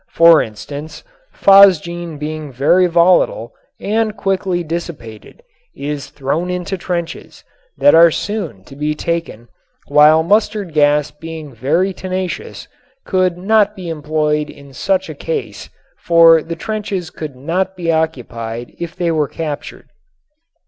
For instance, phosgene being very volatile and quickly dissipated is thrown into trenches that are soon to be taken while mustard gas being very tenacious could not be employed in such a case for the trenches could not be occupied if they were captured.